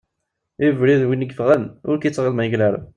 I ubrid win i yeffɣen, ur k-ittɣiḍ ma yegrareb.